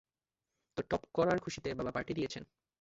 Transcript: তোর টপ করার খুশিতে বাবা পার্টি দিয়েছেন!